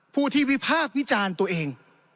ผู้ที่วิพากษ์วิจารณ์ตัวเอง